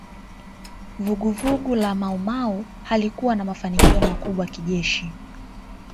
Vuguvugu la Maumau halikuwa na mafanikio makubwa kijeshi